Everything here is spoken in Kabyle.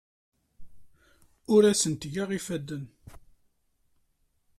Ur asent-ttgeɣ ifadden.